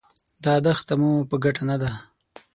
دا دښته مو په ګټه نه ده.